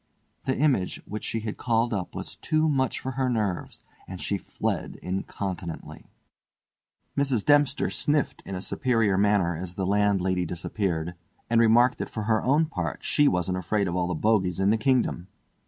The image which she had called up was too much for her nerves, and she fled incontinently. Mrs. Dempster sniffed in a superior manner as the landlady disappeared, and remarked that for her own part she wasn't afraid of all the bogies in the kingdom.